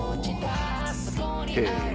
へえ。